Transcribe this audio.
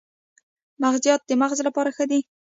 مغزيات د مغز لپاره ښه دي